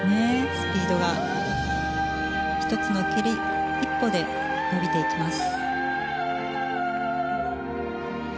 スピードが１つの蹴り１歩で伸びていきます。